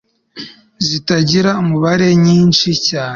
zitagira umubare, nyinshi cyane